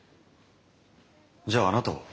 じゃああなたは？